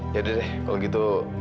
ya udah deh kalau gitu